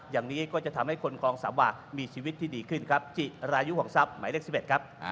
อย่างนี้ก็จะทำให้คนกองสามะมีชีวิตที่ดีขึ้นครับจิรายุของทรัพย์หมายเลข๑๑ครับ